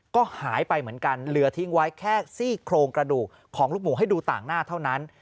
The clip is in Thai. ก็หายไปเหมือนกันเหลือทิ้งไว้แค่ซี่โครงกระดูกของลูกหมูให้ดูต่างหน้าเท่านั้น